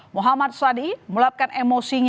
muhammad swadi melapkan emosi